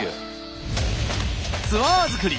ツアー作り。